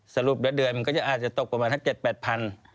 สรุปเดือนมันก็อาจจะตกประมาณถ้า๗๘๐๐๐